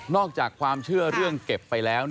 จากความเชื่อเรื่องเก็บไปแล้ว